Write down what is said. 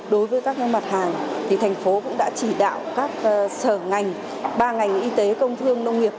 đối với các mặt hàng thì thành phố cũng đã chỉ đạo các sở ngành ba ngành y tế công thương nông nghiệp